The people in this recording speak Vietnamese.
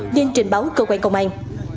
nên trình báo cơ quan công an